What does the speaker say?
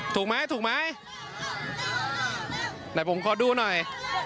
ถูกไหมถูกไหมไหนผมขอดูหน่อย